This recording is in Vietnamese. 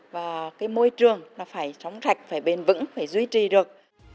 và cái môi trường nó phải sống sạch phải bền vững phải duy trì được